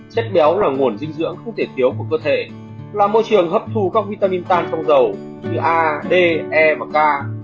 chất béo là nguồn dinh dưỡng không thể thiếu của cơ thể là môi trường hấp thu các vitamin tan trong dầu như a de và k